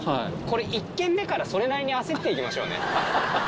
これ１軒目からそれなりに焦って行きましょうね。